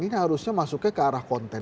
ini harusnya masuknya ke arah konten